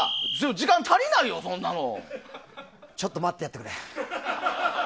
時間足りないよ、そんなの！ちょっと待ってやってくれ。